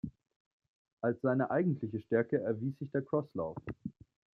Als seine eigentliche Stärke erwies sich der Crosslauf.